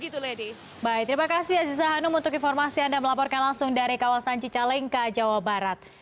terima kasih aziza hanum untuk informasi anda melaporkan langsung dari kawasan cicalengka jawa barat